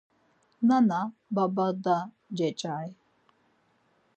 Nana, baba, da ceçay.